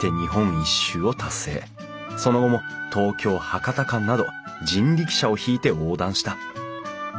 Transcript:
その後も東京博多間など人力車を引いて横断した。